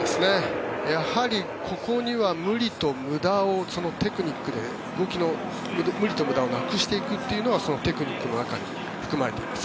やはりここには無理と無駄をテクニックで動きの無理と無駄をなくしていくのがそのテクニックの中に含まれています。